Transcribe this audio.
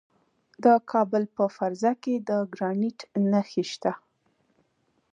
د کابل په فرزه کې د ګرانیټ نښې شته.